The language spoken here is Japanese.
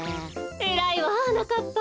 えらいわはなかっぱ。